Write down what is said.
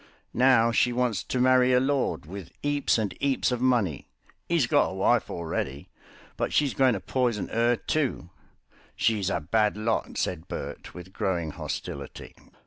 Now she wants to marry a lord, with 'eaps and 'eaps of money. 'E's got a wife already, but she's going to poison 'er, too." "She's a bad lot," said Bert with growing hostility.